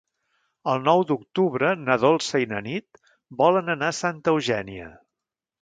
El nou d'octubre na Dolça i na Nit volen anar a Santa Eugènia.